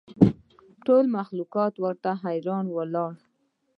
ټول مخلوق ورته حیران ولاړ ول